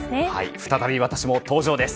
再び私も登場です。